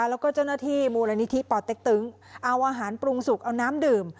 แล้วก็เจ้าหน้าที่มูลนิธิป่อเต็กตึงเอาอาหารปรุงสุกเอาน้ำดื่ม